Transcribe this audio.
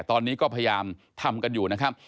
ตอนนี้ก็พยายามทำกันอยู่นะครับ